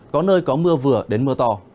có nơi có mưa vừa đến mưa to